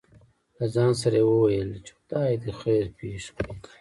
له ځان سره يې وويل :چې خداى دې خېر پېښ کړي.